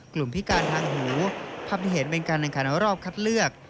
กลุ่มพิการทางหูภัพที่เห็นเป็นกันในการรอบคัดเลือก